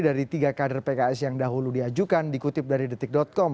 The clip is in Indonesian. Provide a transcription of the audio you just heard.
jadi dari tiga kader pks yang dahulu diajukan dikutip dari detik com